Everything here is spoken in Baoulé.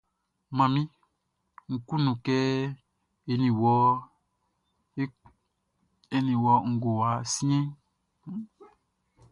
Manmi, Nʼkunnu kɛ eni wɔ ngowa siɛnʼn.